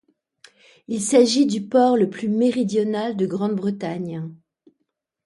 Il s'agit du port le plus méridional de Grande-Bretagne.